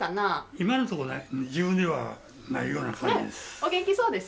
今のところない、自分ではないような感じです。